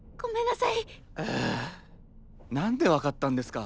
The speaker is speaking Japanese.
ああなんで分かったんですか？